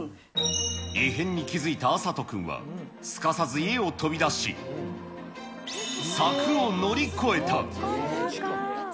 異変に気付いた麻人君は、すかさず家を飛び出し、柵を乗り越えた。